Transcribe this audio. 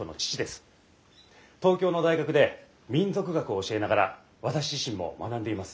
東京の大学で民俗学を教えながら私自身も学んでいます。